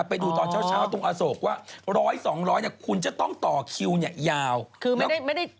พี่เรื่อง๑๐๐๒๐๐บาทเป็นเรื่องปกติ